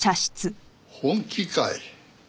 本気かい？